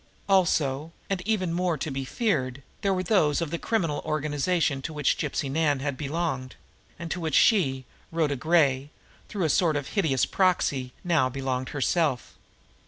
Also, and even more to be feared, there were those of this criminal organization to which Gypsy Nan had belonged, and to which she, Rhoda Gray, through a sort of hideous proxy, now belonged herself!